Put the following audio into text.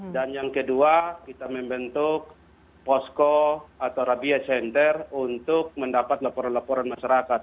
dan yang kedua kita membentuk posko atau rabies center untuk mendapat laporan laporan masyarakat